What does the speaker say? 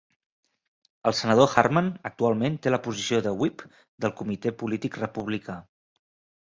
El senador Harman actualment té la posició de "whip" del comitè polític republicà.